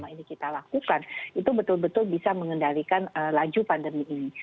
yang kita lakukan itu betul betul bisa mengendalikan laju pandemi ini